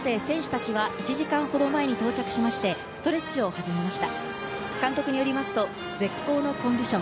さて選手たちは１時間ほど前に到着しましてストレッチを始めました。